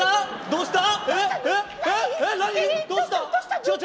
どうした！？